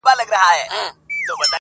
زه په داسي حال کي -